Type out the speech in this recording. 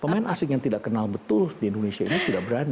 pemain asing yang tidak kenal betul di indonesia ini tidak berani